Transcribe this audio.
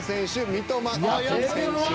「三笘薫選手」。